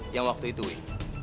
yang waktu itu wih